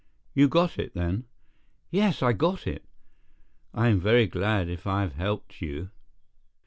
"You got it, then?" "Yes, I got it." "I am very glad if I have helped you."